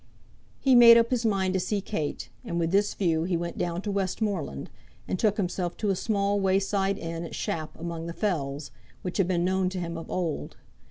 He made up his mind to see Kate, and with this view he went down to Westmoreland; and took himself to a small wayside inn at Shap among the fells, which had been known to him of old.